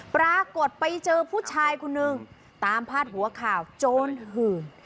ปรากฏไปเจอผู้ชายคนนึงตามพาดหัวข่าวโจรหื่น